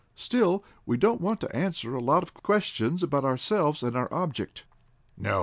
"Still, we don't want to answer a lot of questions about ourselves and our object." "No.